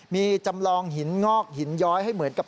มีจำลองหินงอกหินย้อยให้เหมือนกับ